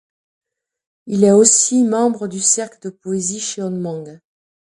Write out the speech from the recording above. Il est aussi membre du cercle de poésie, Cheonmong.